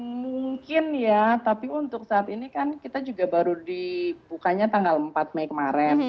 mungkin ya tapi untuk saat ini kan kita juga baru dibukanya tanggal empat mei kemarin